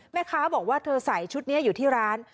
แม่ค้าบอกว่าเธอใส่ชุดนี้อยู่ที่ร้าน